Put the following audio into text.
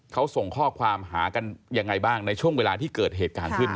เขาส่งข้อความหากันยังไงบ้างในช่วงเวลาที่เกิดเหตุการณ์ขึ้น